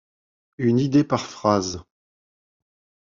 Une idée par phrase.